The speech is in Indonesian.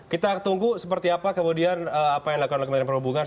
kita tunggu seperti apa kemudian apa yang dilakukan oleh kementerian perhubungan